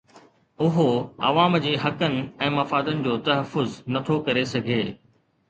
اهو عوام جي حقن ۽ مفادن جو تحفظ نٿو ڪري سگهي